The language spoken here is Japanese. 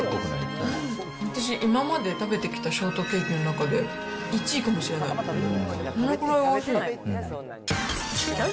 私、今まで食べてきたショートケーキの中で１位かもしれない。